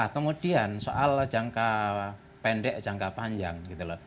kemudian soal jangka pendek jangka panjang